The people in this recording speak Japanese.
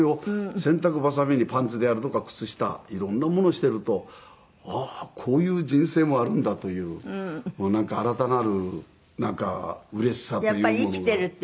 洗濯ばさみにパンツであるとか靴下色んなものをしているとああーこういう人生もあるんだというなんか新たなる。